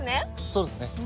そうですね。